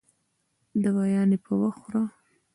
دوايانې په وخت خوره